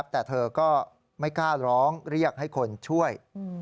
แต่เธอก็ไม่กล้าร้องเรียกให้คนช่วย